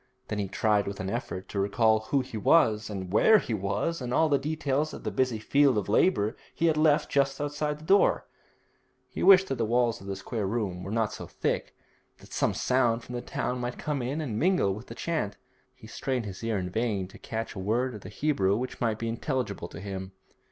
Then he tried with an effort to recall who he was, and where he was, and all the details of the busy field of labour he had left just outside the door. He wished that the walls of the square room were not so thick, that some sound from the town might come in and mingle with the chant. He strained his ear in vain to catch a word of the Hebrew which might be intelligible to him.